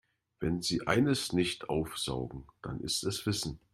Wenn sie eines nicht aufsaugen, dann ist es Wissen.